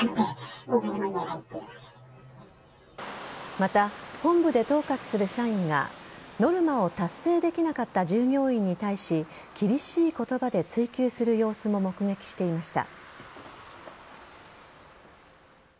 また、本部で統括する社員がノルマを達成できなかった従業員に対し厳しい言葉で追及する様子も目撃していました。